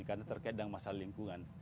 karena terkait dengan masalah lingkungan